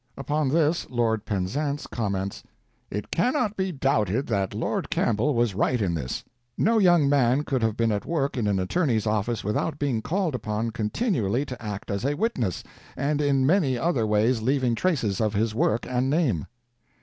Upon this Lord Penzance comments: "It cannot be doubted that Lord Campbell was right in this. No young man could have been at work in an attorney's office without being called upon continually to act as a witness, and in many other ways leaving traces of his work and name."